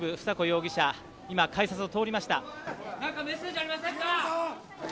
容疑者、今改札を通りました。